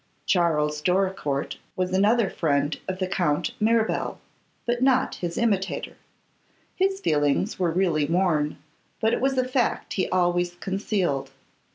Charles Doricourt was another friend of the Count Mirabel, but not his imitator. His feelings were really worn, but it was a fact he always concealed.